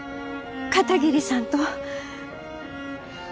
片桐さんと。